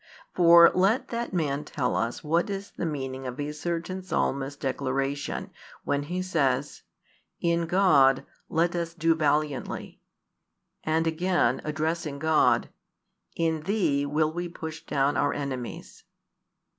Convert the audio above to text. For let that man tell us what is the meaning of a certain Psalmist's declaration, when he says: "In God" let us do valiantly; and again, addressing God: "In Thee" will we push down our enemies.